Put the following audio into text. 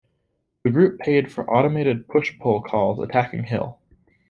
The group paid for automated "push poll" calls attacking Hill.